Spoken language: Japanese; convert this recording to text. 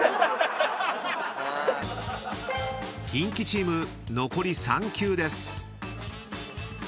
［キンキチーム残り３球です］